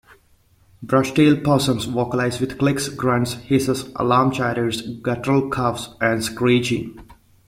Brushtail possums vocalise with clicks, grunts, hisses, alarm chatters, guttural coughs and screeching.